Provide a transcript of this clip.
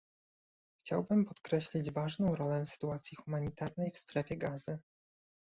Chciałbym podkreślić ważną rolę sytuacji humanitarnej w Strefie Gazy